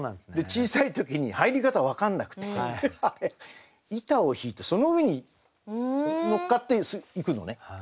小さい時に入り方分かんなくて板をひいてその上に乗っかっていくのね。